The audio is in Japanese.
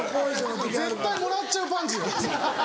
絶対もらっちゃうパンチ。